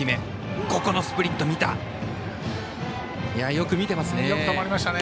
よく見てますね。